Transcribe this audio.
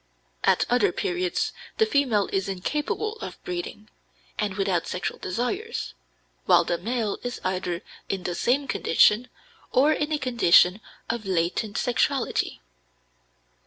At other periods the female is incapable of breeding, and without sexual desires, while the male is either in the same condition or in a condition of latent sexuality.